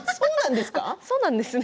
そうなんですか？